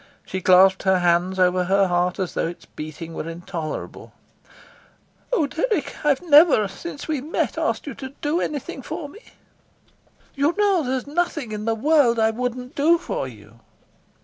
She clasped her hands over her heart as though its beating were intolerable. "Oh, Dirk, I've never since we met asked you to do anything for me." "You know there's nothing in the world that I wouldn't do for you."